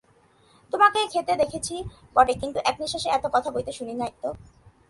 তোমাকে খেতে দেখেছি বটে, কিন্তু এক নিশ্বাসে এত কথা কইতে শুনি নি তো।